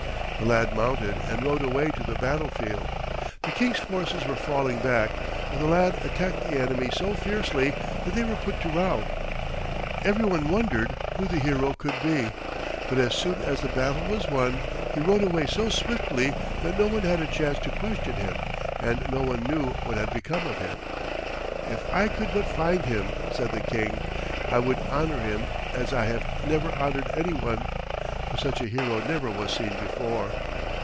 The lad mounted and rode away to the battle field. The King's forces were falling back, but the lad attacked the enemy so fiercely that they were put to rout. Every one wondered who the hero could be, but as soon as the battle was won he rode away so swiftly that no one had a chance to question him and no one knew what had become of him. "If I could but find him," said the King, "I would honor him as I have never honored any one, for such a hero never was seen before."